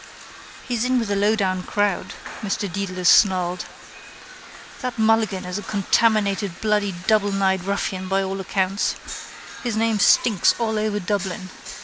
—He's in with a lowdown crowd, Mr Dedalus snarled. That Mulligan is a contaminated bloody doubledyed ruffian by all accounts. His name stinks all over Dublin.